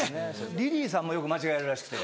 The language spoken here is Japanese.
リリーさんもよく間違えられるらしくて。